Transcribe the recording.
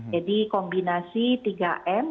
jadi kombinasi tiga m